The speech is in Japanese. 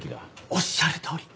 おっしゃるとおり。